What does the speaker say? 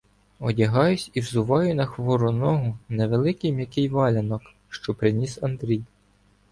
Одягаюся і взуваю на хвору ногу невеликий м'який валянок, що приніс Андрій.